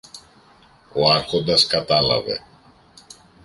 Ο Άρχοντας κατάλαβε.